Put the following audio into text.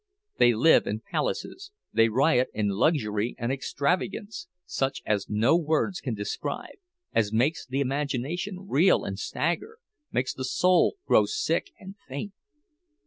They live in palaces, they riot in luxury and extravagance—such as no words can describe, as makes the imagination reel and stagger, makes the soul grow sick and faint.